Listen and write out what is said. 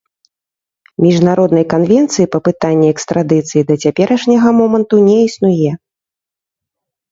Міжнароднай канвенцыі па пытанні экстрадыцыі да цяперашняга моманту не існуе.